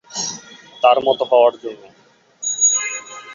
তার মত হওয়ার জন্য।